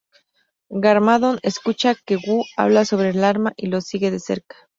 Garmadon escucha que Wu habla sobre el arma y lo sigue de cerca.